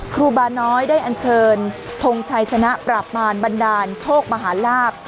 ครูบาน้อยได้อันเชิญทงชัยชนะปราบมารบันดาลโชคมหาลาบ